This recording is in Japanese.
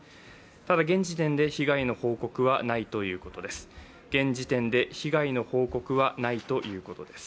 ただ、現時点で被害の報告はないということです。